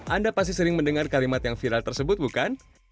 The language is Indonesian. anda pasti sering mendengar kalimat yang viral tersebut bukan